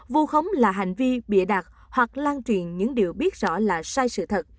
vô khống là hành vi bịa đạt hoặc lan truyền những điều biết rõ là sai sự thật